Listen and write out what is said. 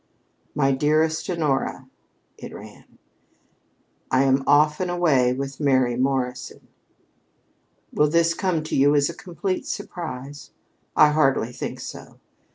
"My DEAR HONORA: " (it ran.) "I am off and away with Mary Morrison. Will this come to you as a complete surprise? I hardly think so.